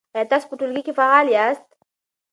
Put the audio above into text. آیا تاسو په ټولګي کې فعال یاست؟